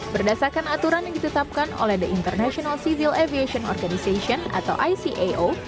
berdasarkan aturan yang ditetapkan oleh the international civil aviation organization atau icao